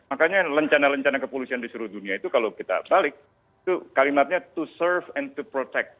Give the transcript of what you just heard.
makanya rencana rencana kepolisian di seluruh dunia itu kalau kita balik itu kalimatnya to serve and to protect